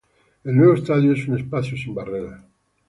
El nuevo estadio es un espacio sin barreras.